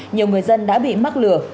nhiều người dân đã bị mắc lừa